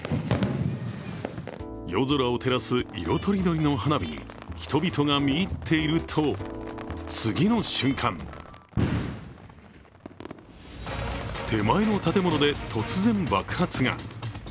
夜空を照らす色とりどりの花火に人々が見入っていると次の瞬間、手前の建物で突然爆発が。